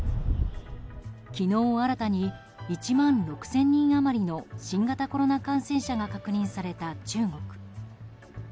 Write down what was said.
昨日、新たに１万６０００人余りの新型コロナ感染者が確認された中国。